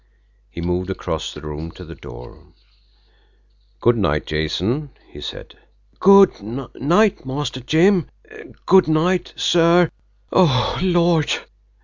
He moved across the room to the door. "Good night, Jason," he said. "Good night, Master Jim good night, sir oh, Lord!"